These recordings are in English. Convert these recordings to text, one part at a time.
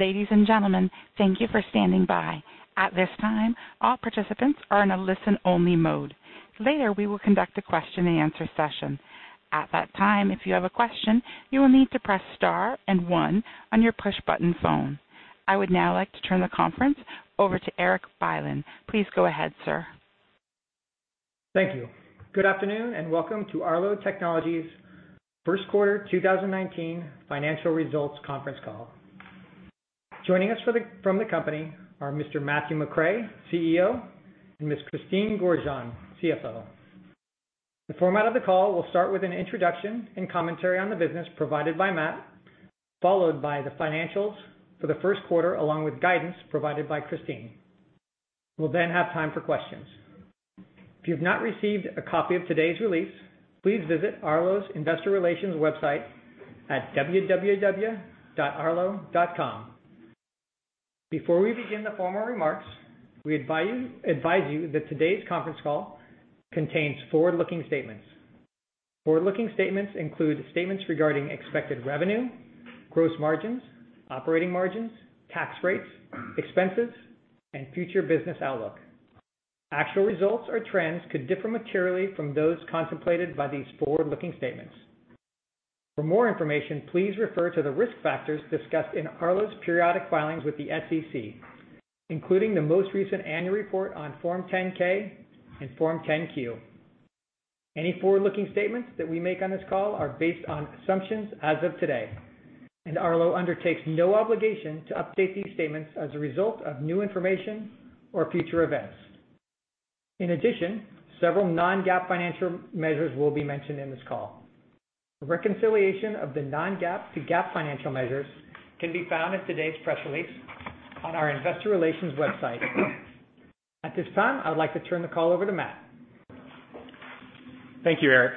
Ladies and gentlemen, thank you for standing by. At this time, all participants are in a listen-only mode. Later, we will conduct a question and answer session. At that time, if you have a question, you will need to press star and one on your push button phone. I would now like to turn the conference over to Erik Bylin. Please go ahead, sir. Thank you. Good afternoon, and welcome to Arlo Technologies' first quarter 2019 financial results conference call. Joining us from the company are Mr. Matthew McRae, CEO, and Ms. Christine Gorjanc, CFO. The format of the call will start with an introduction and commentary on the business provided by Matt, followed by the financials for the first quarter, along with guidance provided by Christine. We'll then have time for questions. If you've not received a copy of today's release, please visit Arlo's investor relations website at www.arlo.com. Before we begin the formal remarks, we advise you that today's conference call contains forward-looking statements. Forward-looking statements include statements regarding expected revenue, gross margins, operating margins, tax rates, expenses, and future business outlook. Actual results or trends could differ materially from those contemplated by these forward-looking statements. For more information, please refer to the risk factors discussed in Arlo's periodic filings with the SEC, including the most recent annual report on Form 10-K and Form 10-Q. Any forward-looking statements that we make on this call are based on assumptions as of today, Arlo undertakes no obligation to update these statements as a result of new information or future events. In addition, several non-GAAP financial measures will be mentioned in this call. A reconciliation of the non-GAAP to GAAP financial measures can be found in today's press release on our investor relations website. At this time, I would like to turn the call over to Matt. Thank you, Erik,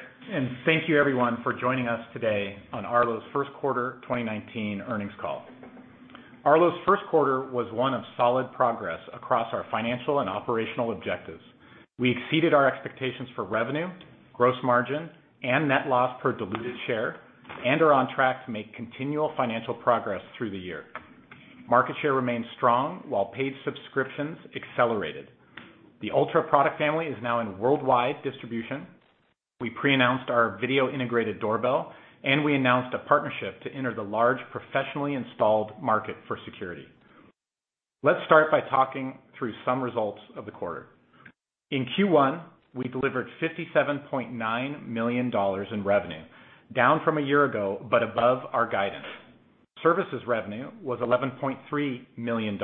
Thank you everyone for joining us today on Arlo's first quarter 2019 earnings call. Arlo's first quarter was one of solid progress across our financial and operational objectives. We exceeded our expectations for revenue, gross margin, and net loss per diluted share, are on track to make continual financial progress through the year. Market share remains strong, while paid subscriptions accelerated. The Ultra product family is now in worldwide distribution. We pre-announced our video-integrated doorbell, we announced a partnership to enter the large professionally installed market for security. Let's start by talking through some results of the quarter. In Q1, we delivered $57.9 million in revenue, down from a year ago, but above our guidance. Services revenue was $11.3 million,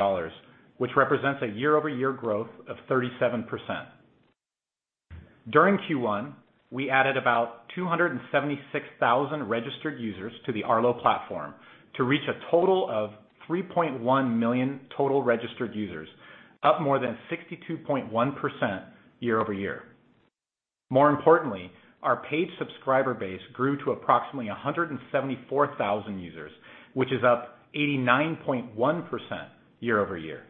which represents a year-over-year growth of 37%. During Q1, we added about 276,000 registered users to the Arlo platform to reach a total of 3.1 million total registered users, up more than 62.1% year-over-year. More importantly, our paid subscriber base grew to approximately 174,000 users, which is up 89.1% year-over-year.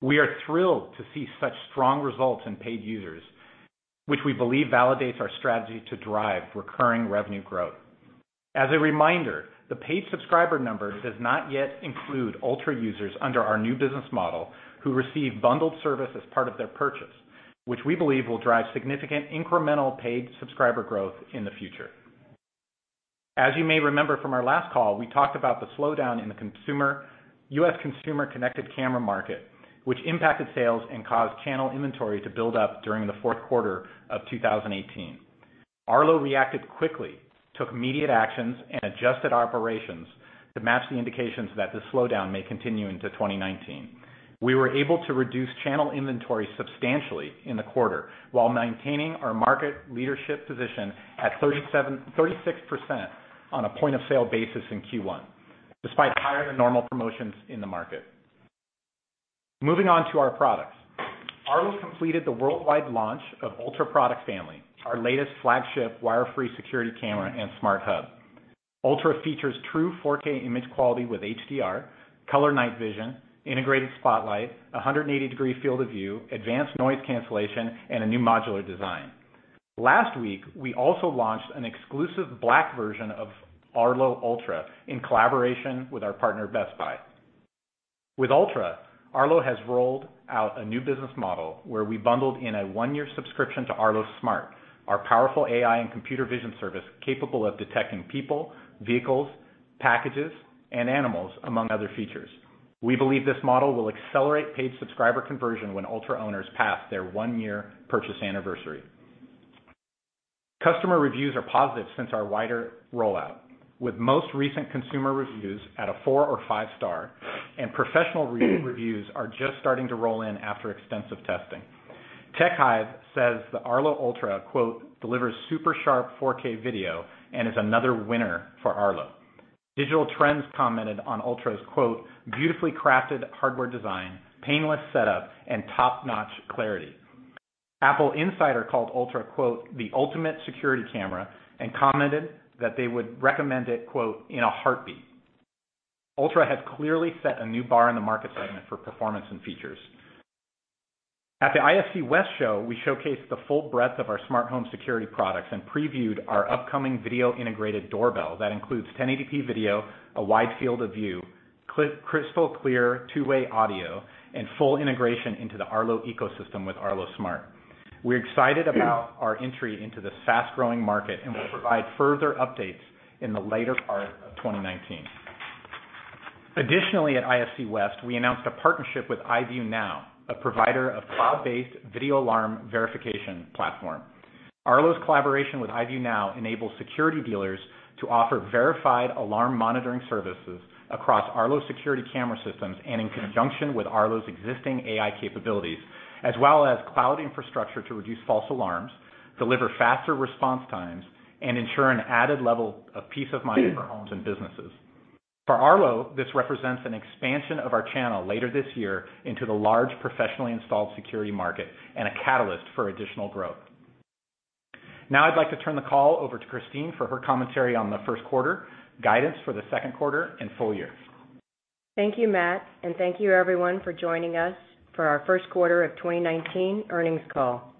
We are thrilled to see such strong results in paid users, which we believe validates our strategy to drive recurring revenue growth. As a reminder, the paid subscriber number does not yet include Ultra users under our new business model who receive bundled service as part of their purchase, which we believe will drive significant incremental paid subscriber growth in the future. As you may remember from our last call, we talked about the slowdown in the U.S. consumer connected camera market, which impacted sales and caused channel inventory to build up during the fourth quarter of 2018. Arlo reacted quickly, took immediate actions, and adjusted operations to match the indications that this slowdown may continue into 2019. We were able to reduce channel inventory substantially in the quarter, while maintaining our market leadership position at 36% on a point-of-sale basis in Q1, despite higher-than-normal promotions in the market. Moving on to our products. Arlo completed the worldwide launch of Ultra product family, our latest flagship wire-free security camera and smart hub. Ultra features true 4K image quality with HDR, color night vision, integrated spotlight, 180-degree field of view, advanced noise cancellation, and a new modular design. Last week, we also launched an exclusive black version of Arlo Ultra in collaboration with our partner, Best Buy. With Ultra, Arlo has rolled out a new business model where we bundled in a one-year subscription to Arlo Smart, our powerful AI and computer vision service capable of detecting people, vehicles, packages, and animals, among other features. We believe this model will accelerate paid subscriber conversion when Ultra owners pass their one-year purchase anniversary. Customer reviews are positive since our wider rollout, with most recent consumer reviews at a four or five star, and professional reviews are just starting to roll in after extensive testing. TechHive says the Arlo Ultra, quote, "Delivers super sharp 4K video and is another winner for Arlo." Digital Trends commented on Ultra's, quote, "Beautifully crafted hardware design, painless setup, and top-notch clarity." AppleInsider called Ultra, quote, "The ultimate security camera" and commented that they would recommend it, quote, "In a heartbeat." Ultra has clearly set a new bar in the market segment for performance and features. At the ISC West show, we showcased the full breadth of our smart home security products and previewed our upcoming video-integrated doorbell that includes 1080p video, a wide field of view, crystal-clear two-way audio, and full integration into the Arlo ecosystem with Arlo Smart. We're excited about our entry into this fast-growing market and will provide further updates in the later part of 2019. Additionally, at ISC West, we announced a partnership with I-View Now, a provider of cloud-based video alarm verification platform. Arlo's collaboration with I-View Now enables security dealers to offer verified alarm monitoring services across Arlo's security camera systems and in conjunction with Arlo's existing AI capabilities, as well as cloud infrastructure to reduce false alarms, deliver faster response times, and ensure an added level of peace of mind for homes and businesses. For Arlo, this represents an expansion of our channel later this year into the large professionally installed security market and a catalyst for additional growth. I'd like to turn the call over to Christine for her commentary on the first quarter, guidance for the second quarter, and full year. Thank you, Matt, and thank you everyone for joining us for our first quarter of 2019 earnings call.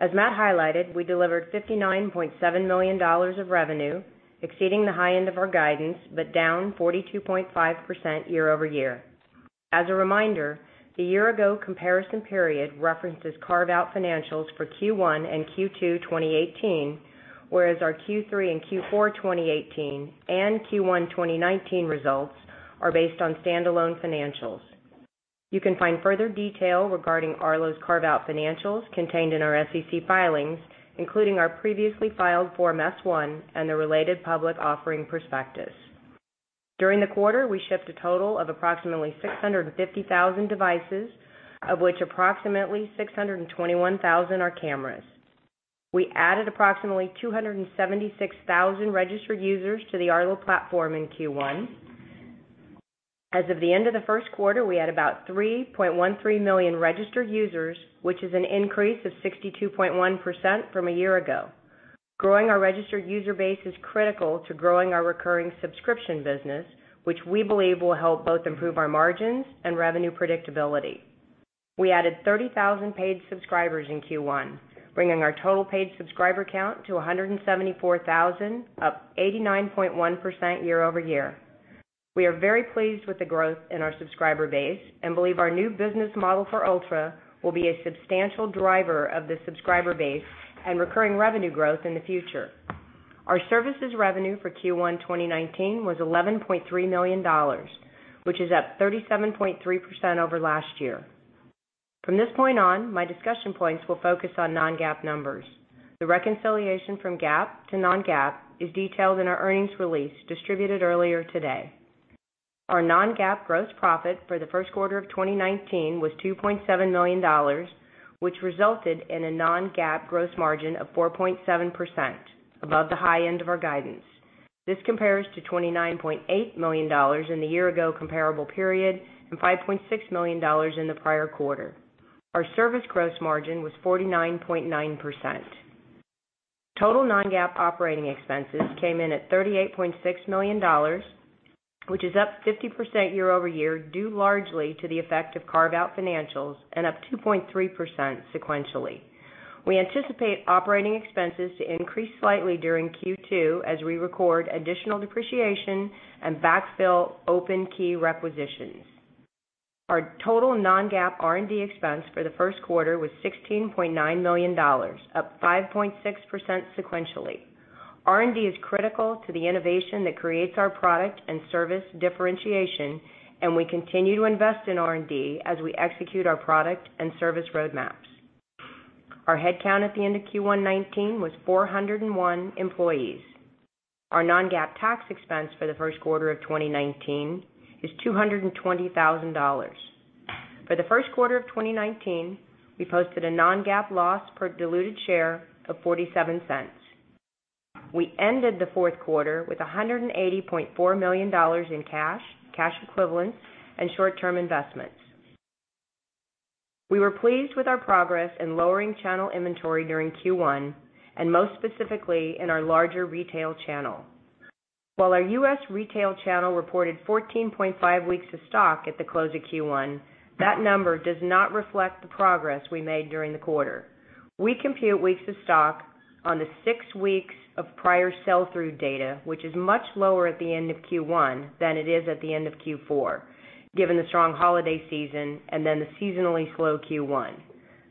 As Matt highlighted, we delivered $59.7 million of revenue, exceeding the high end of our guidance but down 42.5% year-over-year. As a reminder, the year-ago comparison period references carve-out financials for Q1 and Q2 2018, whereas our Q3 and Q4 2018 and Q1 2019 results are based on standalone financials. You can find further detail regarding Arlo's carve-out financials contained in our SEC filings, including our previously filed Form S-1 and the related public offering prospectus. During the quarter, we shipped a total of approximately 650,000 devices, of which approximately 621,000 are cameras. We added approximately 276,000 registered users to the Arlo platform in Q1. As of the end of the first quarter, we had about 3.13 million registered users, which is an increase of 62.1% from a year ago. Growing our registered user base is critical to growing our recurring subscription business, which we believe will help both improve our margins and revenue predictability. We added 30,000 paid subscribers in Q1, bringing our total paid subscriber count to 174,000, up 89.1% year-over-year. We are very pleased with the growth in our subscriber base and believe our new business model for Ultra will be a substantial driver of the subscriber base and recurring revenue growth in the future. Our services revenue for Q1 2019 was $11.3 million, which is up 37.3% over last year. From this point on, my discussion points will focus on non-GAAP numbers. The reconciliation from GAAP to non-GAAP is detailed in our earnings release distributed earlier today. Our non-GAAP gross profit for the first quarter of 2019 was $2.7 million, which resulted in a non-GAAP gross margin of 4.7%, above the high end of our guidance. This compares to $29.8 million in the year-ago comparable period and $5.6 million in the prior quarter. Our service gross margin was 49.9%. Total non-GAAP operating expenses came in at $38.6 million, which is up 50% year-over-year due largely to the effect of carve-out financials and up 2.3% sequentially. We anticipate operating expenses to increase slightly during Q2 as we record additional depreciation and backfill open key requisitions. Our total non-GAAP R&D expense for the first quarter was $16.9 million, up 5.6% sequentially. R&D is critical to the innovation that creates our product and service differentiation, and we continue to invest in R&D as we execute our product and service roadmaps. Our headcount at the end of Q1 2019 was 401 employees. Our non-GAAP tax expense for the first quarter of 2019 is $220,000. For the first quarter of 2019, we posted a non-GAAP loss per diluted share of $0.47. We ended the fourth quarter with $180.4 million in cash equivalents, and short-term investments. We were pleased with our progress in lowering channel inventory during Q1, and most specifically in our larger retail channel. While our U.S. retail channel reported 14.5 weeks of stock at the close of Q1, that number does not reflect the progress we made during the quarter. We compute weeks of stock on the six weeks of prior sell-through data, which is much lower at the end of Q1 than it is at the end of Q4, given the strong holiday season and then the seasonally slow Q1.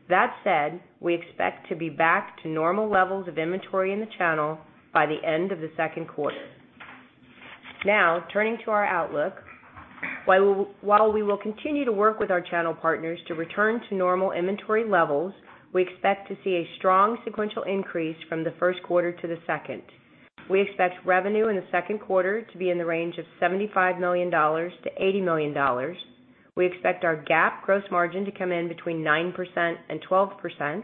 That said, we expect to be back to normal levels of inventory in the channel by the end of the second quarter. Turning to our outlook. While we will continue to work with our channel partners to return to normal inventory levels, we expect to see a strong sequential increase from the first quarter to the second. We expect revenue in the second quarter to be in the range of $75 million-$80 million. We expect our GAAP gross margin to come in between 9%-12%,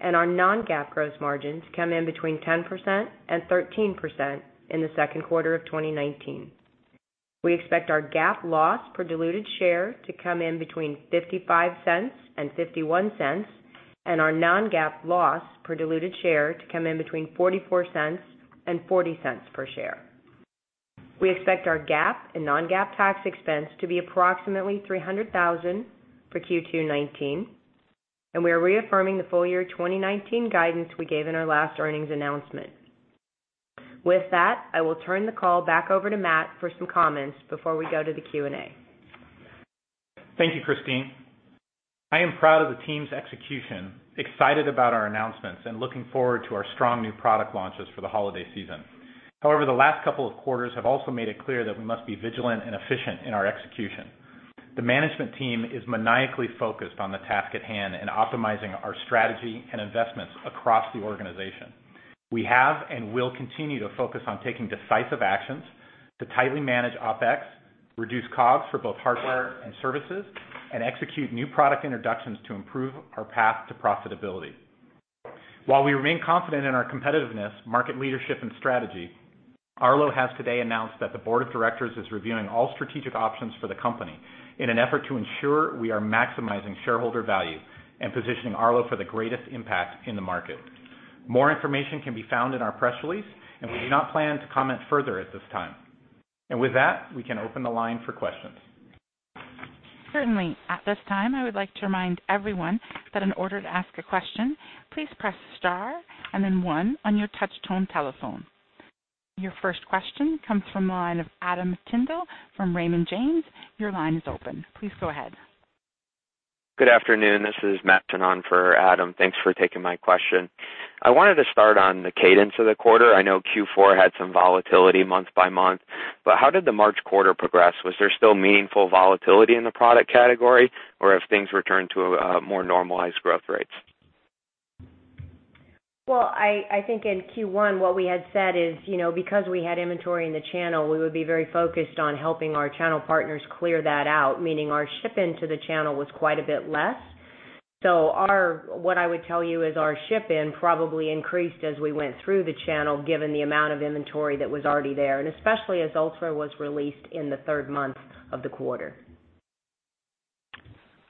and our non-GAAP gross margin to come in between 10%-13% in the second quarter of 2019. We expect our GAAP loss per diluted share to come in between $0.55-$0.51, and our non-GAAP loss per diluted share to come in between $0.44-$0.40 per share. We expect our GAAP and non-GAAP tax expense to be approximately $300,000 for Q2 2019. We are reaffirming the full year 2019 guidance we gave in our last earnings announcement. With that, I will turn the call back over to Matt for some comments before we go to the Q&A. Thank you, Christine. I am proud of the team's execution, excited about our announcements, and looking forward to our strong new product launches for the holiday season. However, the last couple of quarters have also made it clear that we must be vigilant and efficient in our execution. The management team is maniacally focused on the task at hand and optimizing our strategy and investments across the organization. We have and will continue to focus on taking decisive actions to tightly manage OpEx, reduce COGS for both hardware and services, and execute new product introductions to improve our path to profitability. While we remain confident in our competitiveness, market leadership, and strategy, Arlo has today announced that the board of directors is reviewing all strategic options for the company in an effort to ensure we are maximizing shareholder value and positioning Arlo for the greatest impact in the market. More information can be found in our press release, we do not plan to comment further at this time. With that, we can open the line for questions. Certainly. At this time, I would like to remind everyone that in order to ask a question, please press star and then one on your touch-tone telephone. Your first question comes from the line of Adam Tindle from Raymond James. Your line is open. Please go ahead. Good afternoon. This is Matt turning on for Adam. Thanks for taking my question. I wanted to start on the cadence of the quarter. I know Q4 had some volatility month by month, but how did the March quarter progress? Was there still meaningful volatility in the product category, or have things returned to more normalized growth rates? I think in Q1 what we had said is, because we had inventory in the channel, we would be very focused on helping our channel partners clear that out, meaning our ship-in to the channel was quite a bit less. What I would tell you is our ship-in probably increased as we went through the channel, given the amount of inventory that was already there, and especially as Ultra was released in the third month of the quarter.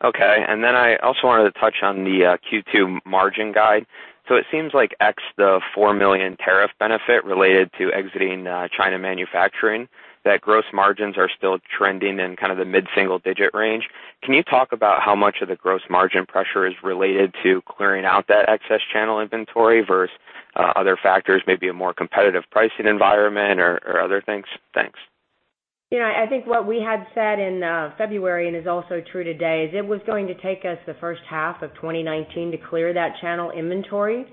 Okay. I also wanted to touch on the Q2 margin guide. It seems like ex the $4 million tariff benefit related to exiting China manufacturing, that gross margins are still trending in kind of the mid-single digit range. Can you talk about how much of the gross margin pressure is related to clearing out that excess channel inventory versus other factors, maybe a more competitive pricing environment or other things? Thanks. I think what we had said in February, and is also true today, is it was going to take us the first half of 2019 to clear that channel inventory.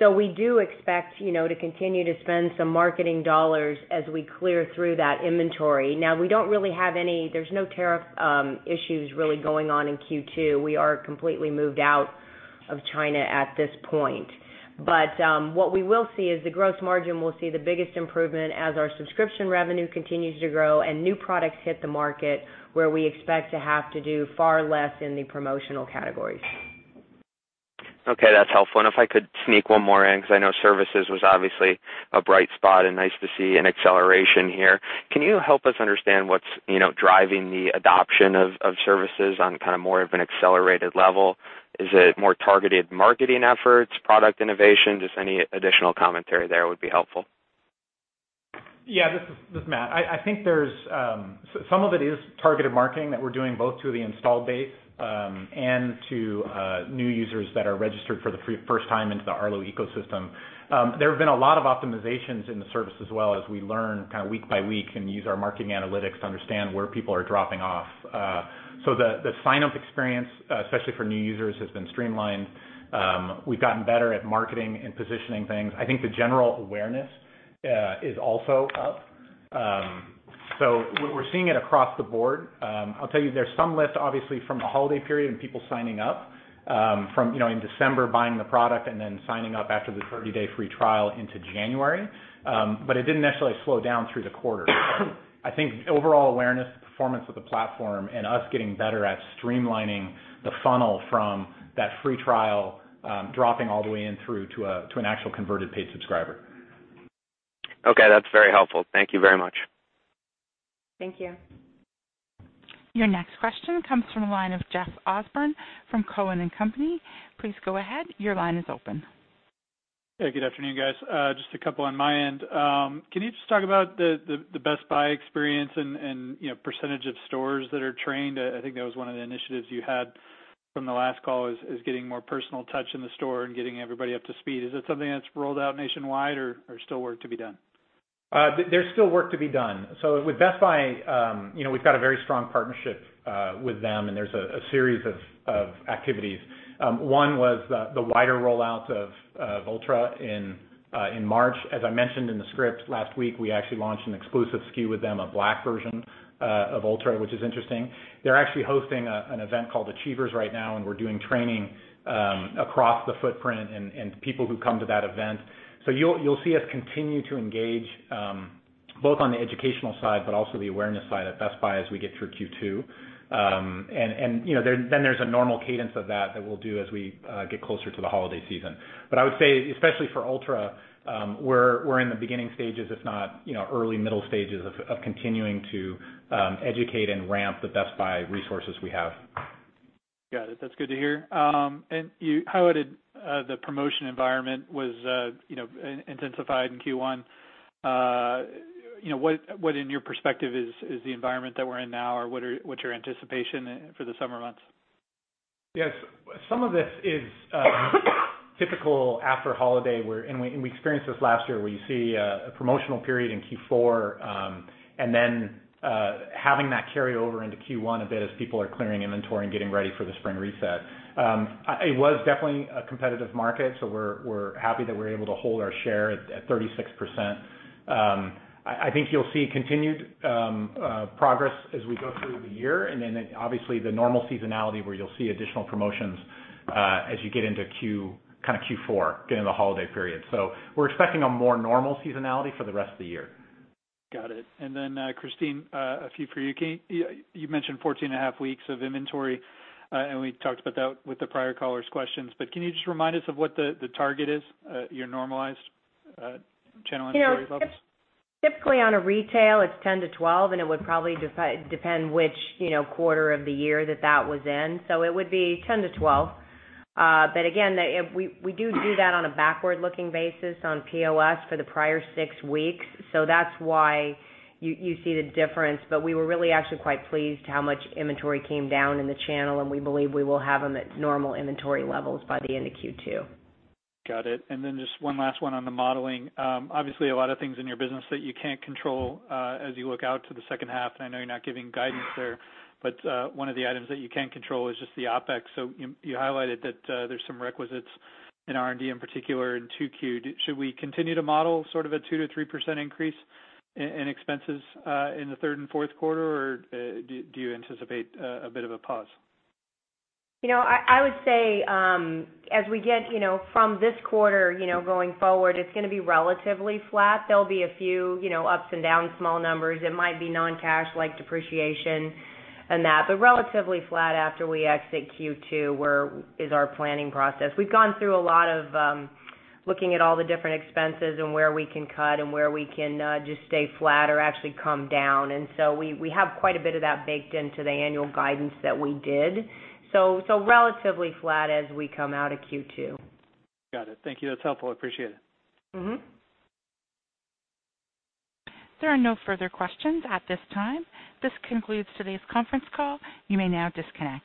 We do expect to continue to spend some marketing dollars as we clear through that inventory. Now, there's no tariff issues really going on in Q2. We are completely moved out of China at this point. What we will see is the gross margin will see the biggest improvement as our subscription revenue continues to grow and new products hit the market where we expect to have to do far less in the promotional categories. Okay. That's helpful. If I could sneak one more in, because I know services was obviously a bright spot and nice to see an acceleration here. Can you help us understand what's driving the adoption of services on kind of more of an accelerated level? Is it more targeted marketing efforts, product innovation? Just any additional commentary there would be helpful. Yeah. This is Matt. I think some of it is targeted marketing that we're doing both to the install base and to new users that are registered for the first time into the Arlo ecosystem. There have been a lot of optimizations in the service as well as we learn kind of week by week and use our marketing analytics to understand where people are dropping off. The sign-up experience, especially for new users, has been streamlined. We've gotten better at marketing and positioning things. I think the general awareness is also up. We're seeing it across the board. I'll tell you there's some lift, obviously, from the holiday period and people signing up, from in December buying the product and then signing up after the 30-day free trial into January. It didn't necessarily slow down through the quarter. I think overall awareness, performance of the platform, and us getting better at streamlining the funnel from that free trial, dropping all the way in through to an actual converted paid subscriber. Okay. That's very helpful. Thank you very much. Thank you. Your next question comes from the line of Jeff Osborne from Cowen and Company. Please go ahead. Your line is open. Yeah. Good afternoon, guys. Just a couple on my end. Can you just talk about the Best Buy experience and percentage of stores that are trained? I think that was one of the initiatives you had from the last call is getting more personal touch in the store and getting everybody up to speed. Is that something that's rolled out nationwide or still work to be done? There's still work to be done. With Best Buy, we've got a very strong partnership with them and there's a series of activities. One was the wider rollout of Ultra in March. As I mentioned in the script last week, we actually launched an exclusive SKU with them, a black version of Ultra, which is interesting. They're actually hosting an event called Achievers right now, and we're doing training across the footprint and people who come to that event. You'll see us continue to engage both on the educational side, but also the awareness side at Best Buy as we get through Q2. There's a normal cadence of that that we'll do as we get closer to the holiday season. I would say, especially for Ultra, we're in the beginning stages, if not early middle stages of continuing to educate and ramp the Best Buy resources we have. Got it. That's good to hear. You highlighted the promotion environment was intensified in Q1. What, in your perspective, is the environment that we're in now, or what's your anticipation for the summer months? Yes. Some of this is typical after holiday. We experienced this last year where you see a promotional period in Q4, and then having that carry over into Q1 a bit as people are clearing inventory and getting ready for the spring reset. It was definitely a competitive market, so we're happy that we're able to hold our share at 36%. I think you'll see continued progress as we go through the year, and then obviously the normal seasonality where you'll see additional promotions as you get into Q4, get into the holiday period. We're expecting a more normal seasonality for the rest of the year. Got it. Then, Christine, a few for you. You mentioned 14.5 weeks of inventory, and we talked about that with the prior caller's questions, can you just remind us of what the target is, your normalized channel inventory levels? Typically on a retail it's 10 to 12, it would probably depend which quarter of the year that that was in. It would be 10 to 12. Again, we do that on a backward-looking basis on POS for the prior six weeks, so that's why you see the difference. We were really actually quite pleased how much inventory came down in the channel, and we believe we will have them at normal inventory levels by the end of Q2. Got it. Then just one last one on the modeling. Obviously, a lot of things in your business that you can't control as you look out to the second half, and I know you're not giving guidance there. One of the items that you can control is just the OpEx. You highlighted that there's some requisites in R&D, in particular in 2Q. Should we continue to model sort of a 2%-3% increase in expenses in the third and fourth quarter, or do you anticipate a bit of a pause? I would say, as we get from this quarter going forward, it's going to be relatively flat. There'll be a few ups and downs, small numbers. It might be non-cash, like depreciation and that. Relatively flat after we exit Q2, where is our planning process. We've gone through a lot of looking at all the different expenses and where we can cut and where we can just stay flat or actually come down. We have quite a bit of that baked into the annual guidance that we did. Relatively flat as we come out of Q2. Got it. Thank you. That's helpful, appreciate it. There are no further questions at this time. This concludes today's conference call. You may now disconnect.